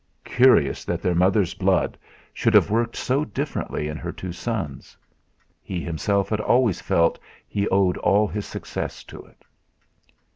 Curious that their mother's blood should have worked so differently in her two sons. He himself had always felt he owed all his success to it.